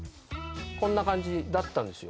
こんな感じだったんですよ